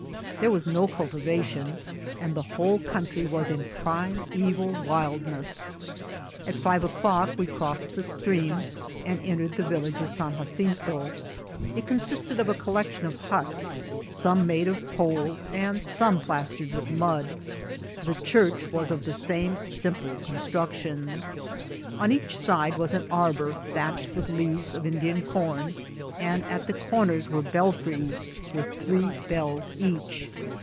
There was no cultivation, and the whole country was in primeval wildness. At five o'clock we crossed the stream and entered the village of San Ja cinto. It consisted of a collection of huts, some made of poles and some plastered with mud. The church was of the same simple construction. On each side was an arbour thatched with leaves of Indian com, and at the comers were belfries, with three bells each.